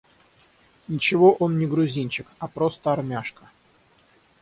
Ничего он не грузинчик, а просто армяшка